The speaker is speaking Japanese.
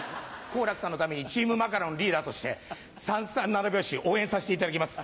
好楽さんのためにチームマカロンリーダーとして三三七拍子応援させていただきます。